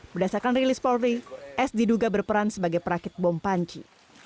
berdasarkan rilis polri s diduga berperan sebagai perakit bom panci